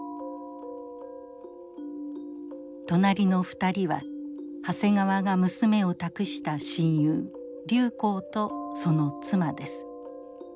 隣の２人は長谷川が娘を託した親友劉好とその妻です。